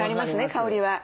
香りは。